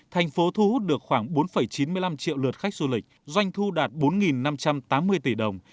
thành phố thu hút được khoảng bốn chín mươi năm triệu lượt khách du lịch doanh thu đạt bốn năm trăm tám mươi tỷ đồng